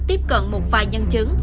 tiếp cận một vài nhân chứng